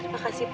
terima kasih pak